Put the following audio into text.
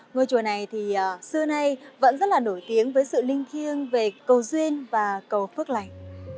ngôi chùa này thì xưa nay vẫn rất là nổi tiếng với sự linh thiêng về cầu duyên và cầu phước lạnh